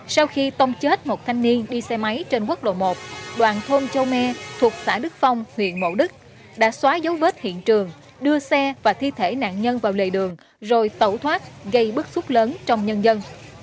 sau khi tông chết một thanh niên đi xe máy trên quốc lộ một đoạn thôn châu me thuộc xã đức phong huyện mộ đức đã xóa dấu vết hiện trường đưa xe và thi thể nạn nhân vào lề đường rồi tẩu thoát gây bức xúc lớn trong nhân dân